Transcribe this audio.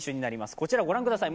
こちらご覧ください。